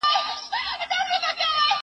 د ښار ټولو اوسېدونكو ته عيان وو